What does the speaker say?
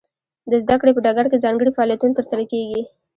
د زده کړې په ډګر کې ځانګړي فعالیتونه ترسره کیږي.